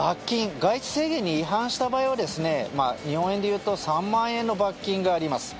外出制限に違反した場合は日本円でいうと３万円の罰金があります。